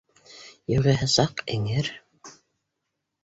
Юғиһә, саҡ эңер